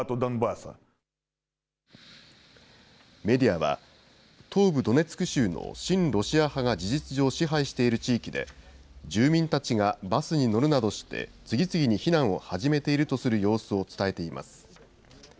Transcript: メディアは、東部ドネツク州の親ロシア派が事実上支配している地域で、住民たちがバスに乗るなどして、次々に避難を始めているとする様子を伝えています。